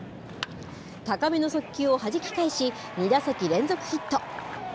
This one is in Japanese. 高めの速球をはじき返し、２打席連続ヒット。